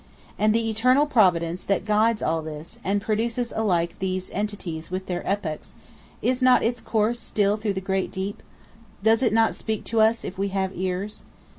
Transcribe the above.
And the eternal Providence that guides all this, and produces alike these entities with their epochs, is not its course still through the great deep? Does not it still speak to us, if we have ears?